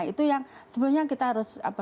itu yang sebelumnya kita harus